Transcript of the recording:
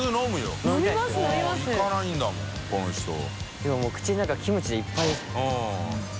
今もう口の中キムチでいっぱいですね。